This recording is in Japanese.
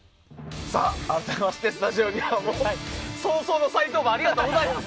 改めまして、スタジオには早々の再登板ありがとうございます。